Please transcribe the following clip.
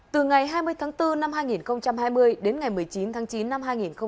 từ ngày hai mươi tháng bốn năm hai nghìn hai mươi đến ngày một mươi chín tháng chín năm hai nghìn hai mươi